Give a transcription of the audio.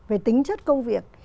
về tính chất công việc